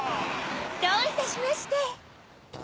どういたしまして！